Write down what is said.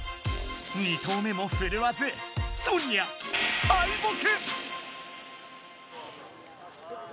２投目もふるわずソニア敗北！